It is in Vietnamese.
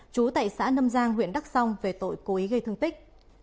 chú tại xã nâm giang huyện đắk song về tội cố ý gây thương tích